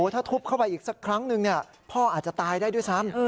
ถ้าทุบเข้าไปอีกสักครั้งนึงพ่ออาจจะตายได้ด้วยซ้ำ